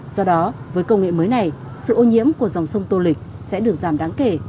do đó với công nghệ mới này sự ô nhiễm của dòng sông tô lịch sẽ được giảm đáng kể